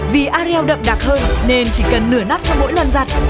vì arreo đậm đặc hơn nên chỉ cần nửa nắp cho mỗi lần giặt